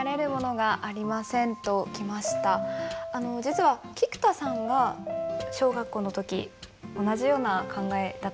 実は菊田さんが小学校の時同じような考えだったんですよね。